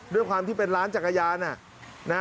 ด้วยความที่เป็นร้านจักรยาน